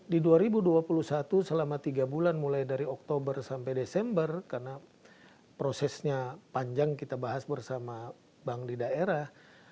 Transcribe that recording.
di dua ribu dua puluh satu selama tiga bulan mulai dari oktober sampai desember karena prosesnya panjang kita bahas bersama bank di daerah